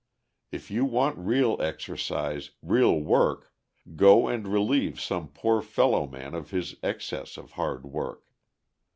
If you want real exercise, real work, go and relieve some poor fellow man of his excess of hard work.